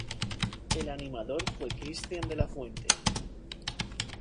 El animador fue Cristián de la Fuente.